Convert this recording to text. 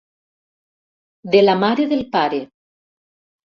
De la mare del pare.